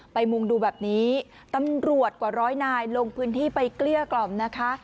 มุงดูแบบนี้ตำรวจกว่าร้อยนายลงพื้นที่ไปเกลี้ยกล่อมนะคะ